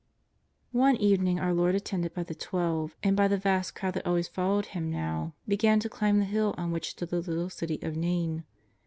One evening our Lord, attended by the Twelve and by the vast crowd that always followed Him now, be gan to climb the hill on which stood the little city of Nain.